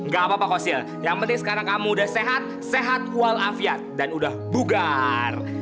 gak apa apa kosil yang penting sekarang kamu udah sehat sehat walafiat dan udah bugar